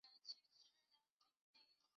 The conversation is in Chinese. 江户时代舟山万年命名。